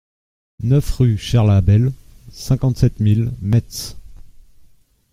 neuf rue Charles Abel, cinquante-sept mille Metz